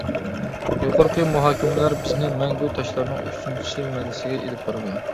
يۇقىرىقى مۇھاكىمىلەر بىزنى مەڭگۈ تاشلارنىڭ ئۈچىنچى مەنىسىگە ئېلىپ بارىدۇ.